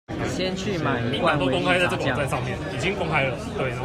先去買一罐維力炸醬